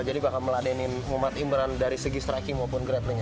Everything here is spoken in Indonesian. jadi bakal meladenin muhammad imran dari segi striking maupun grapplingnya